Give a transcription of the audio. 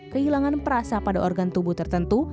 kehilangan perasa pada organ tubuh tertentu